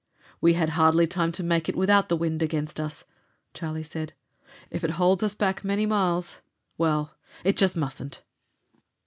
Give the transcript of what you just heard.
"We had hardly time to make it, without the wind against us," Charlie said. "If it holds us back many miles well, it just mustn't!"